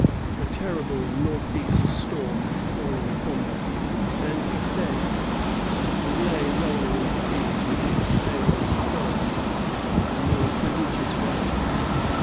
"A terrible northeast storm" had fallen upon them, and, he says, "we lay rolling in the seas, with our sails furled, among prodigious waves."